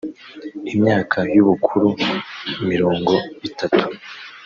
imyaka y ubukuru mirongo itatu